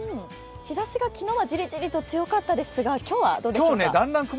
日ざしが昨日はじりじりと強かったんですが、今日はどうですか？